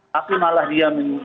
tapi malah dia